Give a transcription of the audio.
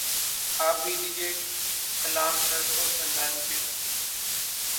आप भी दीजिए कलाम सर को श्रद्धांजलि